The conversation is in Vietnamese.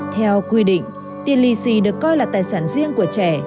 theo quy định ti lì xì được coi là tài sản riêng của trẻ